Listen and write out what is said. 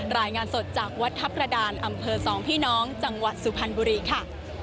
รายงานสดจากวัดทัพกระดานอำเภอ๒พี่น้องจังหวัดสุพรรณบุรีค่ะ